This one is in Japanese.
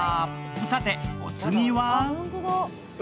さて、お次は？